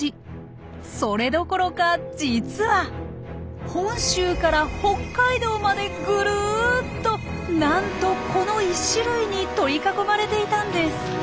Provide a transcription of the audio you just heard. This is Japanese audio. それどころか実は本州から北海道までぐるっとなんとこの１種類に取り囲まれていたんです。